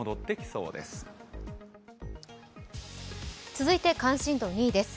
続いて関心度２位です